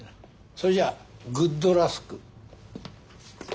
それじゃあグッドラスク。